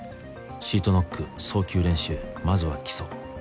「シートノック送球練習まずは基礎」